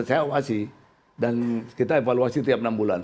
saya awasi dan kita evaluasi tiap enam bulan